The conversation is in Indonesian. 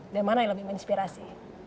dan mana yang lebih menginspirasi